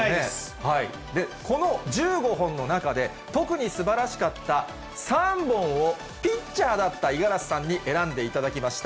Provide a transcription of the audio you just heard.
この１５本の中で、特にすばらしかった３本を、ピッチャーだった五十嵐さんに選んでいただきました。